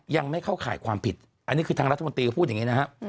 ยังไม่เข้าข่ายความผิดอันนี้คือทางรัฐมนตรีก็พูดอย่างนี้นะครับ